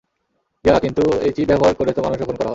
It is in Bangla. ইয়াহ, কিন্তু এই চিপ ব্যাবহার করে তো মানুষও খুন করা হয়।